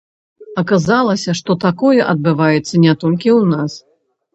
Аказалася, што такое адбываецца не толькі ў нас.